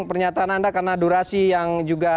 pernyataan anda karena durasi yang juga